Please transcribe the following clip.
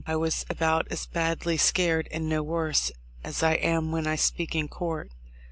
I was about as badly scared, and no worse, as I am when I speak in court.